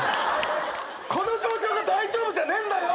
この状況が大丈夫じゃねえんだよ。